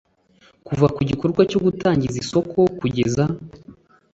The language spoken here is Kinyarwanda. kuva ku gikorwa cyo gutangaza isoko kugeza